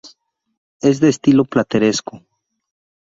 Es de estilo plateresco.